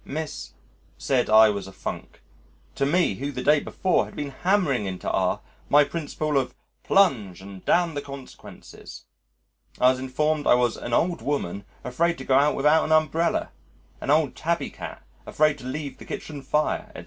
Miss said I was a funk to me who the day before had been hammering into R my principle of "Plunge and damn the consequences." I was informed I was an old woman afraid to go out without an umbrella, an old tabby cat afraid to leave the kitchen fire, etc.